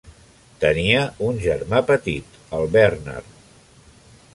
Tenia un germà petit, el Bernard.